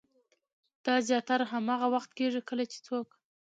دا زياتره هاغه وخت کيږي کله چې څوک